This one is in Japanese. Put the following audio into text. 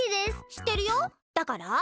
しってるよだから？